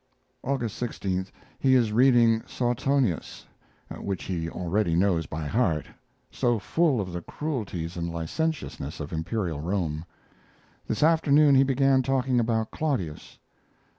August 16. He is reading Suetonius, which he already knows by heart so full of the cruelties and licentiousness of imperial Rome. This afternoon he began talking about Claudius.